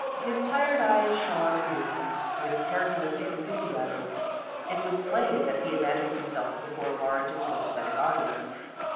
His tired eyes shone anew with characteristic enthusiasm. It was plain that he imagined himself before a large and sympathetic audience.